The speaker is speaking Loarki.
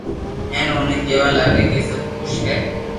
ھين اوني ڪيوا لاگيا ڪي سب خوݾ ھي